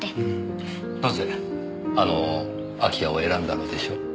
なぜあの空き家を選んだのでしょう？